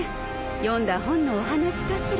読んだ本のお話かしら。